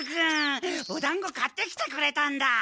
おだんご買ってきてくれたんだ。